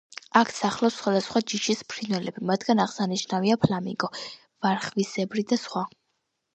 აქ სახლობს სხვადასხვა ჯიშის ფრინველები მათგან აღსანიშნავია: ფლამინგო, ვარხვისებრნი და სხვა.